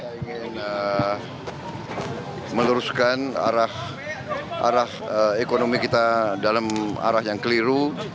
saya ingin meluruskan arah ekonomi kita dalam arah yang keliru